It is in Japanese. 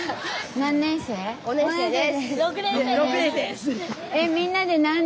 ６年生です。